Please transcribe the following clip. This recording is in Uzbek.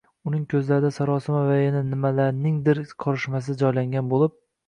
Uning ko‘zlarida sarosima va yana nimalarningdir qorishmasi joylangan bo‘lib